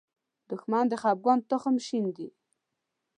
دښمن د خپګان تخم شیندي